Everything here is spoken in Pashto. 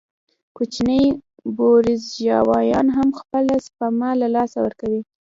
کوچني بورژوایان هم خپله سپما له لاسه ورکوي